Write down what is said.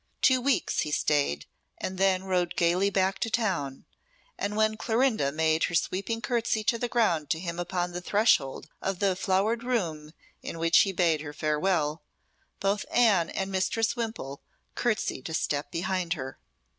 Two weeks he stayed and then rode gaily back to town, and when Clorinda made her sweeping curtsey to the ground to him upon the threshold of the flowered room in which he bade her farewell, both Anne and Mistress Wimpole curtseyed a step behind her.